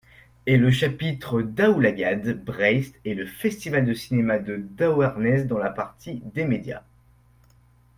Et le chapitre Daoulagad Breizh et le Festival de cinéma de Douarnenez dans la partie des Médias.